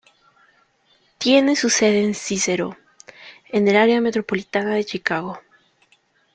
Tiene su sede en Cícero, en el área metropolitana de Chicago.